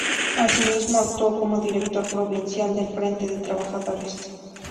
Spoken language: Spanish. Asimismo, actuó como Director Provincial del Frente de Trabajadores.